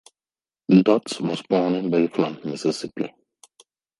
Dodds was born in Waveland, Mississippi.